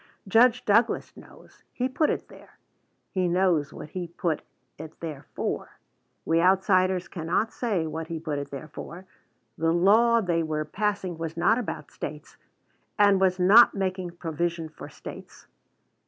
Judge Douglas knows. He put it there. He knows what he put it there for. We outsiders cannot say what he put it there for. The law they were passing was not about States, and was not making provision for States.